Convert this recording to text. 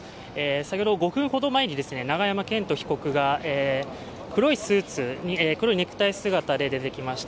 先ほど５分ほど前に、永山絢斗被告が黒いスーツに黒いネクタイ姿で出てきました。